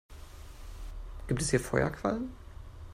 Gibt es hier Feuerquallen?